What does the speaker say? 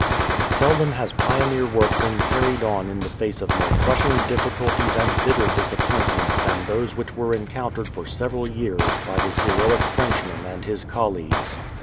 Seldom has pioneer work been carried on in the face of more crushing difficulties and bitter disappointments than those which were encountered for several years by this heroic Frenchman and his colleagues.